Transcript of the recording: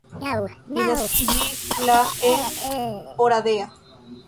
Li naskiĝis la en Oradea.